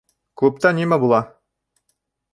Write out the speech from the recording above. Клубта нимә була?